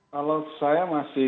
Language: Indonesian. kalau saya masih